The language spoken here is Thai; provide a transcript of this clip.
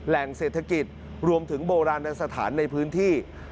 แหล่งเศรษฐกิจรวมถึงโบราณสถานในพื้นที่